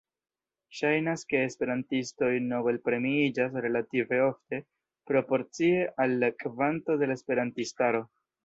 Ŝajnas ke esperantistoj Nobel-premiiĝas relative ofte, proporcie al la kvanto de la esperantistaro.